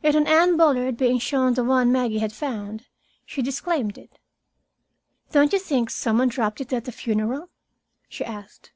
Yet, on Anne Bullard being shown the one Maggie had found, she disclaimed it. "Don't you think some one dropped it at the funeral?" she asked.